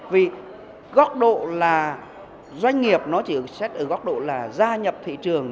vì góc độ là doanh nghiệp nó chỉ xét ở góc độ là gia nhập thị trường